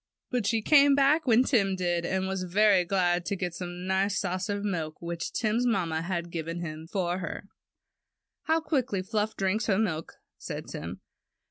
But she came back when Tim did, and was very glad to get the nice saucer of milk which Tim's mamma had given him for her. ^^How quickly Fluff drinks her milk," said Tim.